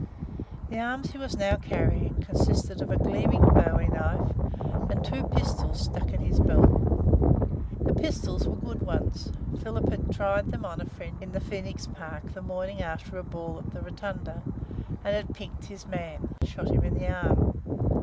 The arms he was now carrying consisted of a gleaming bowie knife, and two pistols stuck in his belt. The pistols were good ones; Philip had tried them on a friend in the Phoenix Park the morning after a ball at the Rotunda, and had pinked his man shot him in the arm.